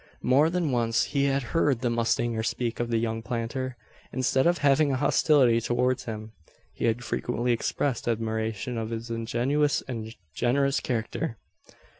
More than once he had heard the mustanger speak of the young planter. Instead of having a hostility towards him, he had frequently expressed admiration of his ingenuous and generous character.